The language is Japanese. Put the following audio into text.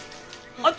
あっ！